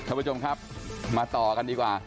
ท่านผู้ชมครับมาต่อกันดีกว่า